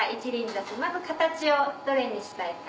挿しまず形をどれにしたいか。